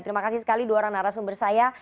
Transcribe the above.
terima kasih sekali dua orang narasumber saya